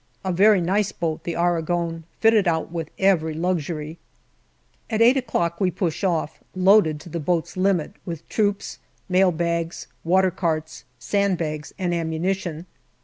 A very nice boat, the Aragon, fitted out with every luxury. At eight we push off, loaded to the boat's limit with troops, mailbags, watercarts, sand bags, and ammunition.